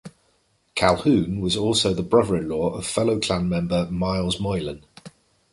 Calhoun was also the brother-in-law of fellow Clan member Myles Moylan.